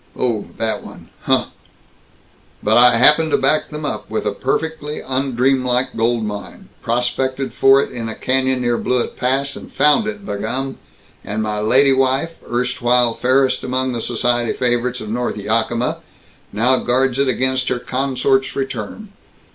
"Oh! That one. Huh!" "But I happen to back them up with a perfectly undreamlike gold mine. Prospected for it in a canyon near Blewett Pass and found it, b' gum, and my lady wife, erstwhile fairest among the society favorites of North Yakima, now guards it against her consort's return.